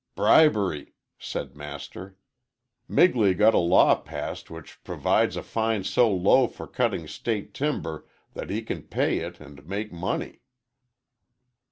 "Bribery!" said Master. "Migley got a law passed which provides a fine so low for cutting State timber that he can pay it and make money."